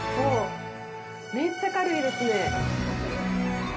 めっちゃ軽いですね。